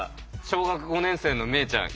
小学５年生の萌衣ちゃん